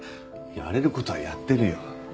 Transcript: やれる事はやってるよ。